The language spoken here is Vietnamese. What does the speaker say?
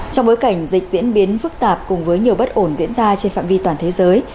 trong bối cảnh dịch diễn biến phức tạp cùng với nhiều bất ổn diễn ra trên phạm vi toàn thế giới